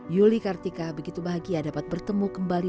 yuli kartika begitu bahagia dapat bertemu kembali